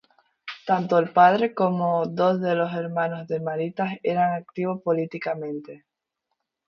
Tanto el padre como dos de los hermanos de Marita eran activos políticamente.